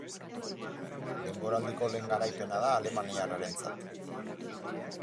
Denboraldiko lehen garaipena da alemaniarrarentzat.